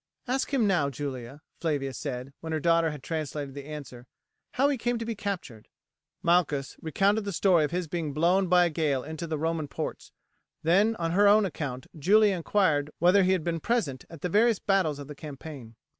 "Ask him now, Julia," Flavia said, when her daughter had translated the answer, "how he came to be captured." Malchus recounted the story of his being blown by a gale into the Roman ports; then, on her own account, Julia inquired whether he had been present at the various battles of the campaign.